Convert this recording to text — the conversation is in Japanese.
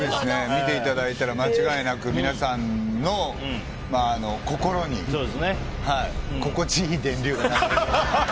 見ていただいたら間違いなく皆さんの心に心地いい電流が流れます。